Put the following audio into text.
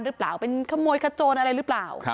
หรือเปล่าเป็นขโมยขโจรอะไรหรือเปล่า